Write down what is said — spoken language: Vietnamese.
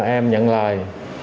em nhận lời